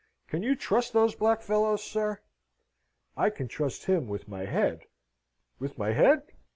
Can you trust those black fellows, sir?" "I can trust him with my head. With my head?"